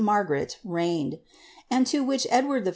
Margaret, reigned ; and to uhich Edward I.